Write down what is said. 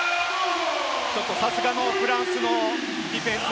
さすがのフランスのディフェンス。